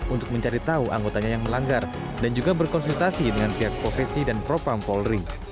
untuk mencari tahu anggotanya yang melanggar dan juga berkonsultasi dengan pihak profesi dan propam polri